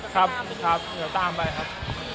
ครับครับเดี๋ยวตามไปครับ